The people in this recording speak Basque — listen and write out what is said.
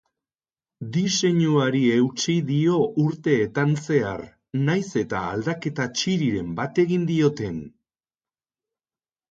Diseinuari eutsi dio urteetan zehar, nahiz eta aldaketa txiriren bat egin dioten.